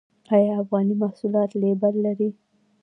آیا افغاني محصولات لیبل لري؟